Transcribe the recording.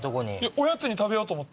おやつに食べようと思って。